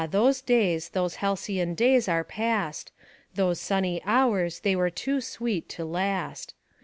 those days, those halcyon days, are past, Those sunny hours, they were too sweet to last!